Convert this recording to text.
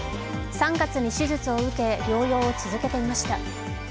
３月に手術を受け、療養を続けていました。